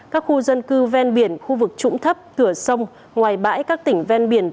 các khu dân cư ve biển khu vực trũng thấp cửa sông ngoài bãi các tỉnh ve biển